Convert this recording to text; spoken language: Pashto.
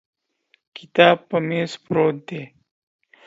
کتاب پر مېز پروت دی.